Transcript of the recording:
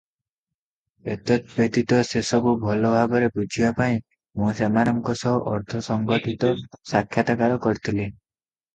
ଏତଦ୍ ବ୍ୟତୀତ ସେସବୁ ଭଲ ଭାବରେ ବୁଝିବା ପାଇଁ ମୁଁ ସେମାନନଙ୍କ ସହ ଅର୍ଦ୍ଧ-ସଂଗଠିତ ସାକ୍ଷାତକାର କରିଥିଲି ।